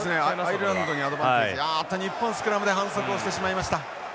あっと日本スクラムで反則をしてしまいました。